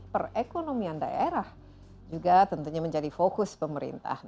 perekonomian daerah juga tentunya menjadi fokus pemerintah